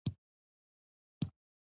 ما غوښتل چې د خپلې ترور پوښتنې ته لاړ شم.